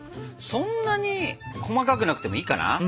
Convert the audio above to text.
そんなに細かくなくてもいいかな？